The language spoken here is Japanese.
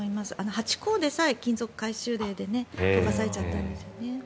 ８個でさえ、金属回収令で溶かされちゃったんですよね。